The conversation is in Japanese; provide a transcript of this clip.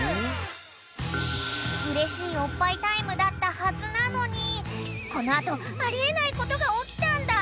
［うれしいおっぱいタイムだったはずなのにこの後あり得ないことが起きたんだ］